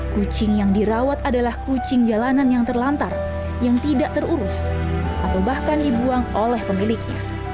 kucing yang dirawat adalah kucing jalanan yang terlantar yang tidak terurus atau bahkan dibuang oleh pemiliknya